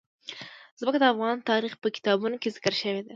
ځمکه د افغان تاریخ په کتابونو کې ذکر شوی دي.